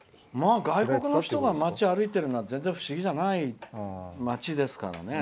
外国の人が街を歩いてるのは不思議じゃない街ですからね。